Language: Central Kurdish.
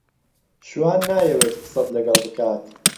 شوان نایەوێت قسەت لەگەڵ بکات.